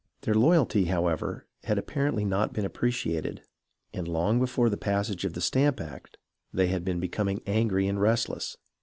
Their loyalty, however, had apparently not been appreciated, and long before the passage of the Stamp Act they had been becoming angry and rest less.